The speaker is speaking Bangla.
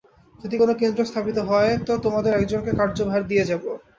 যদি কোন কেন্দ্র স্থাপিত হয় তো তোমাদের একজনকে কার্যভার দিয়ে যাব।